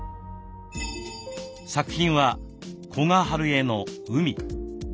作品は古賀春江の「海」。